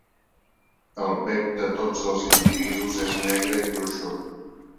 El bec de tots els individus és negre i gruixut.